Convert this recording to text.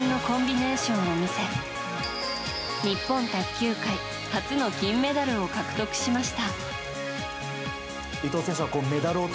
抜群のコンビネーションを見せ日本卓球界初の金メダルを獲得しました。